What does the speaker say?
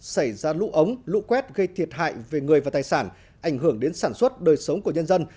xảy ra lũ ống lũ quét gây thiệt hại về người và tài sản ảnh hưởng đến sản xuất đời sống của nhân dân